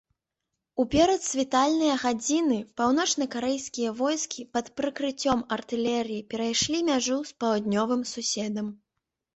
У перадсвітальныя гадзіны паўночнакарэйскія войскі пад прыкрыццём артылерыі перайшлі мяжу з паўднёвым суседам.